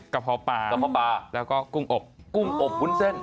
กะพร้อปลาแล้วก็กุ้งอบบุญเส้น